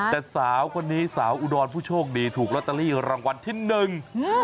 แต่สาวคนนี้สาวอุดรผู้โชคดีถูกลอตเตอรี่รางวัลที่หนึ่ง